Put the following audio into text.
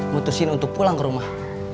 mutusin untuk pulang ke rumah